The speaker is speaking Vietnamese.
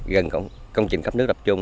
gần công trình cấp nước đập trung